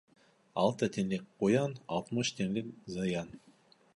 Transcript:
Алты тинлек ҡуян, алтмыш тинлек зыян.